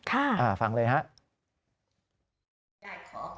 ค่ะฟังเลยฮะ